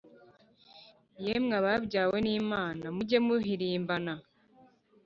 yemwe ababyawe n'lmana, mujye muhirimbana,